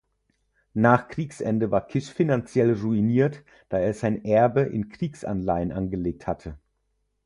Nach Kriegsende war Kisch finanziell ruiniert, da er sein Erbe in Kriegsanleihen angelegt hatte.